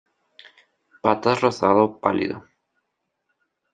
Patas rosado pálido.